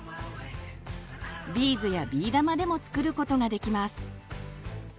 ビーズやビー玉でも作ることができます。